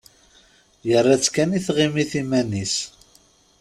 Yerra-tt kan i tɣimit iman-is.